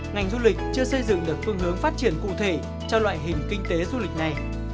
ngành du lịch chưa xây dựng được phương hướng phát triển cụ thể cho loại hình kinh tế du lịch này